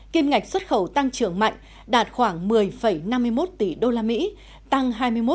kim ngạch xuất khẩu tăng trưởng mạnh đạt khoảng một mươi năm mươi một tỷ usd tăng hai mươi một chín